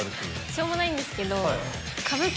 しょうもないんですけど。